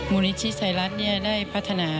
มูลนิธิไทยรัฐได้พัฒนา